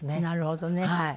なるほどね。